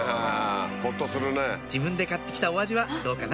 自分で買って来たお味はどうかな？